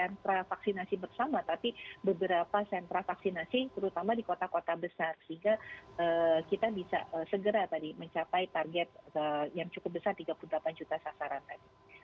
sentra vaksinasi bersama tapi beberapa sentra vaksinasi terutama di kota kota besar sehingga kita bisa segera tadi mencapai target yang cukup besar tiga puluh delapan juta sasaran tadi